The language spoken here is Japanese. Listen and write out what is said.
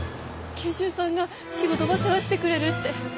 賢秀さんが仕事ば世話してくれるって。